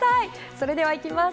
それではいきます